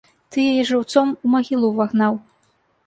Ты яе жыўцом у магілу ўвагнаў.